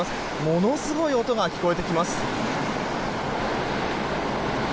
ものすごい音が聞こえてきます。